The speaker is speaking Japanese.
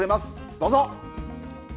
どうぞ。